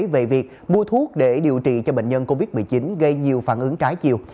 về việc mua thuốc để điều trị cho bệnh nhân covid một mươi chín gây nhiều phản ứng trái chiều